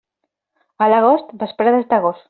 A l'agost, vesprades de gos.